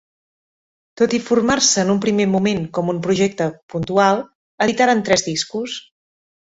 Tot i formar-se en un primer moment com un projecte puntual, editaren tres discos.